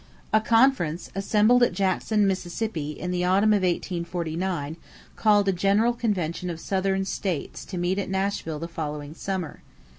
A conference, assembled at Jackson, Mississippi, in the autumn of 1849, called a general convention of Southern states to meet at Nashville the following summer.